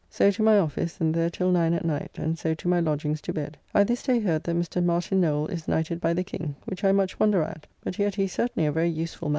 So to my office, and there till 9 at night, and so to my lodgings to bed. I this day heard that Mr. Martin Noell is knighted by the King, which I much wonder at; but yet he is certainly a very useful man.